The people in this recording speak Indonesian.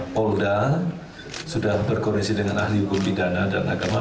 polda sudah berkoordinasi dengan ahli hukum pidana dan agama